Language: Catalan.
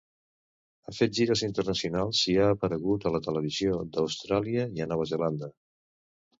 Ha fet gires internacionals i ha aparegut a la televisió d'Austràlia i a Nova Zelanda.